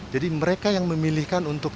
jadi mereka yang memilihkan